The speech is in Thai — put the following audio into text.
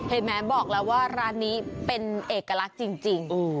เห็นไหมบอกแล้วว่าร้านนี้เป็นเอกลักษณ์จริง